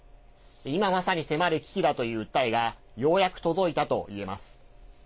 今まさに迫る危機だという訴えがようやく届いたといえます。